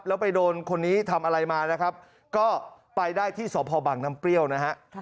แล้วไปโดนคนนี้ทำอะไรมานะครับก็ไปได้ที่สพบังน้ำเปรี้ยวนะฮะ